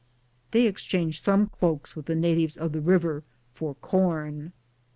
1 They exchange some cloaks with the natives of the river for corn.